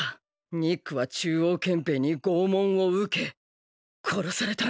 ニックは中央憲兵に拷問を受け殺されたんだ！